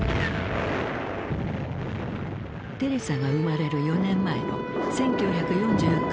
テレサが生まれる４年前の１９４９年。